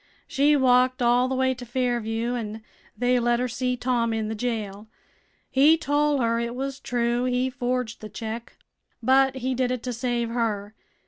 She walked all the way to Fairview, an' they let her see Tom in the jail. He tol' her it was true he forged th' check, but he did it to save her.